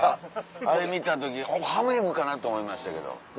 あれ見た時「ハムエッグかな」と思いましたけど。